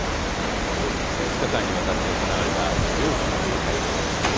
２日間にわたって行われた両首脳の会談。